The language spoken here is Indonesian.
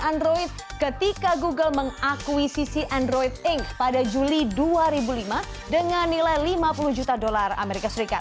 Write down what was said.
android ketika google mengakuisisi android inc pada juli dua ribu lima dengan nilai lima puluh juta dolar as